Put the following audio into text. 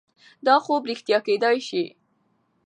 دا خوب رښتیا کیدای شي.